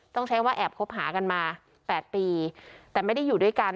ต้องใช้ว่าแอบคบหากันมา๘ปีแต่ไม่ได้อยู่ด้วยกัน